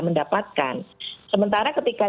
mendapatkan sementara ketika